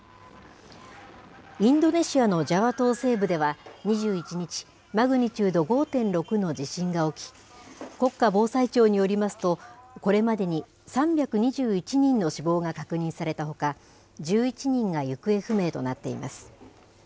インドネシアのジャワ島西部では２１日、マグニチュード５．６の地震が起き、国家防災庁によりますと、これまでに３２１人の死亡が確認されたほか、１１人が行方不明となっています。